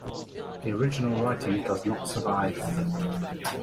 The original writing does not survive.